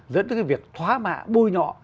dẫn tới cái việc thoá mạ bôi nhọ